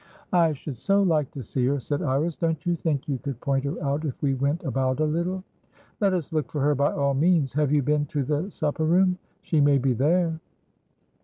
"I should so like to see her," said Iris. "Don't you think you could point her out, if we went about a little." "Let us look for her by all means. Have you been to the supper room? She may be there."